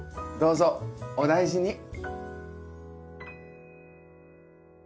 どうぞお大事に。